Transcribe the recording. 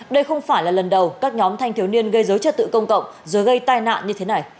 đây không phải là lần đầu các nhóm thanh thiếu niên gây dối trật tự công cộng rồi gây tai nạn như thế này